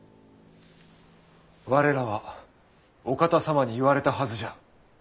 我らはお方様に言われたはずじゃ。